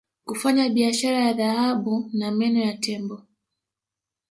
kufanya biashara ya dhahabu na meno ya tembo